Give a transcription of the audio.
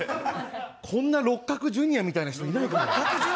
こんな六角ジュニアみたいな人いないから。